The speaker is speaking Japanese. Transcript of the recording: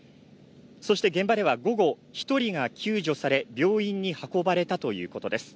そして現場では午後、１人が救助され、病院に運ばれたということです